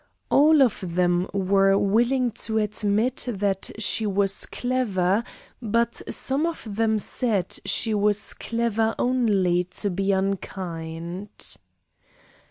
All of them were willing to admit that she was clever, but some of them said she was clever only to be unkind.